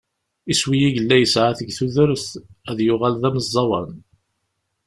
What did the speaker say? Iswi i yella yesεa-t deg tudert : ad yuɣal d ameẓẓawan.